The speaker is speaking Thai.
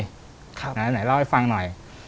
ไหนเล่าให้ฟังหน่อย